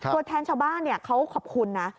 ตัวแทนชาวบ้านเขาขอบคุณนะ